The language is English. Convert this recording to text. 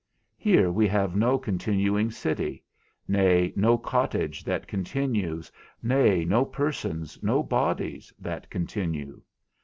Here we have no continuing city, nay, no cottage that continues, nay, no persons, no bodies, that continue.